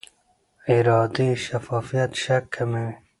اداري شفافیت شک کموي